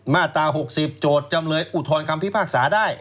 มาตรา๖๐โจทย์จำเลยอุทธรณคำพิพากษาได้